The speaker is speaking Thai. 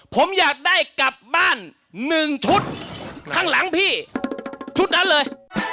ผมอยากได้กลับบ้าน๑ชุดข้างหลังพี่ชุดนั้นเลย